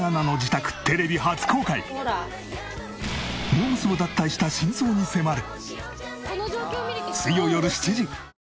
モー娘。を脱退した真相に迫る。